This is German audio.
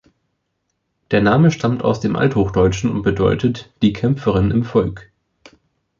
Der Name stammt aus dem Althochdeutschen und bedeutet "Die Kämpferin im Volk".